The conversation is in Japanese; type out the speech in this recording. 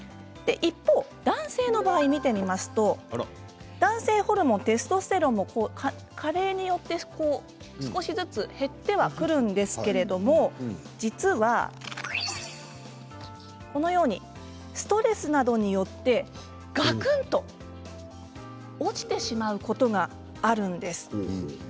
一方、男性の場合を見てみますと男性ホルモンのテストステロンは加齢によって少しずつ減ってはくるんですけれども実はストレスなどによってがくんと落ちてしまうことがあるんです。